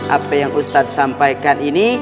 apa yang ustadz sampaikan ini